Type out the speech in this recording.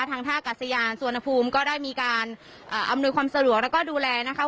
ทางท่ากัศยานสุวรรณภูมิก็ได้มีการอำนวยความสะดวกแล้วก็ดูแลนะคะ